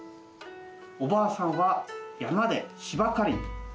おばあさんは山でしば刈りに。